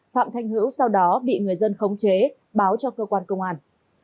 phạm thanh hữu sau đó bị người dân khống chế báo cho cơ quan công an